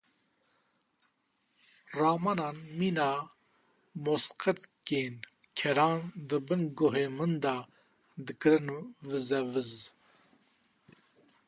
Ramanan mîna mozqirtkên keran di bin guhê min de dikirin vize viz.